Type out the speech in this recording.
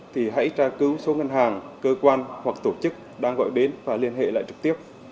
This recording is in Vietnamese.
thì hãy tra cứu số ngân hàng cơ quan hoặc tổ chức đang gọi đến và liên hệ lại trực tiếp